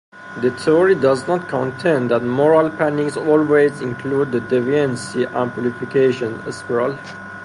The theory does not contend that moral panics always include the deviancy amplification spiral.